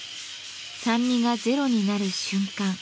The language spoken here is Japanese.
酸味がゼロになる瞬間